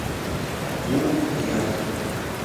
Wu y al.